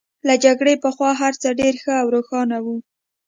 له جګړې پخوا هرڅه ډېر ښه او روښانه وو